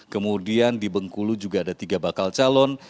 kemudian di bengkulu juga ada tiga bakal calon